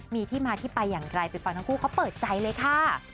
มีที่มาที่ไปอย่างไรไปฟังทั้งคู่เขาเปิดใจเลยค่ะ